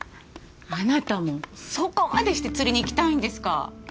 あなたもそこまでして釣りに行きたいんですか？